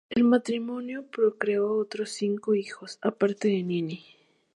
El matrimonio procreó otros cinco hijos, aparte de Niní.